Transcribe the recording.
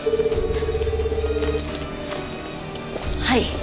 はい。